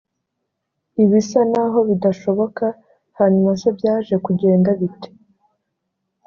ibisa n aho bidashoboka hanyuma se byaje kugenda bite